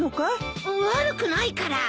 悪くないから。